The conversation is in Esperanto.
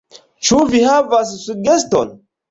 Ĉu vi havas sugeston?